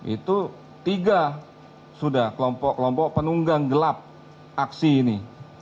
itu tiga sudah kelompok kelompok penunggang gelap aksi ini